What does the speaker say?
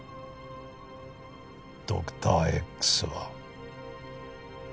ドクターＸは。